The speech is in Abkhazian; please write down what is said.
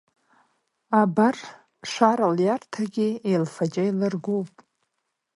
Абар, Шара лиарҭагьы еилфаҷа еилыргоуп.